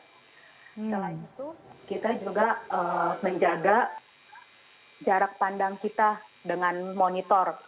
selain itu kita juga menjaga jarak pandang kita dengan monitor